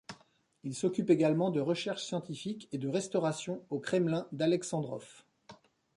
Il s'occupe également de recherche scientifique et de restauration au Kremlin d'Alexandrov.